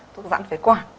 thuốc dặn phế quả